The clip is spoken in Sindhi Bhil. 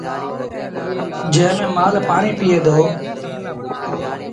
جݩهݩ ميݩ مآل پآڻيٚ پيٚئيٚ دو۔